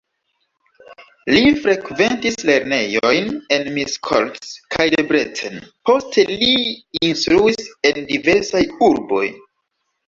Li frekventis lernejojn en Miskolc kaj Debrecen, poste li instruis en diversaj urboj.